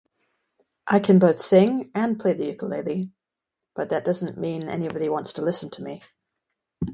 I can both sing and play the ukulele, but that doesn't mean anybody wants to listen to me.